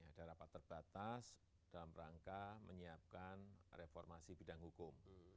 ada rapat terbatas dalam rangka menyiapkan reformasi bidang hukum